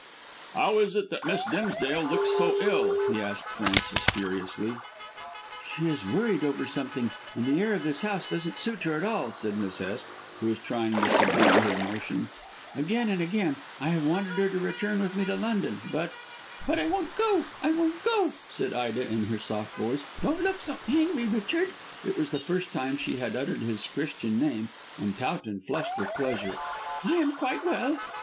"How is it that Miss Dimsdale looks so ill?" he asked Frances furiously. "She is worried over something, and the air of this house doesn't suit her at all," said Miss Hest, who was trying to subdue her emotion. "Again and again I have wanted her to return with me to London, but " "But I won't go, I won't go," said Ida in her soft voice. "Don't look so angry, Richard." It was the first time she had uttered his Christian name, and Towton flushed with pleasure. "I am quite well."